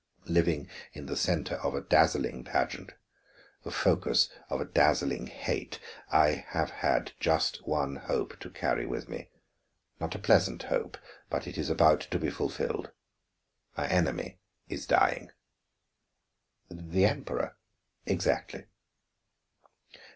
Living in the center of a dazzling pageant, the focus of a dazzling hate, I have had just one hope to carry with me. Not a pleasant hope, but it is about to be fulfilled. My enemy is dying." "The Emperor " "Exactly."